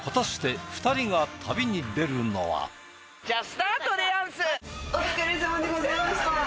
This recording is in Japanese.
果たしてお疲れさまでございました。